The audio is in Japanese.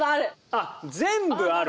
あっ全部ある。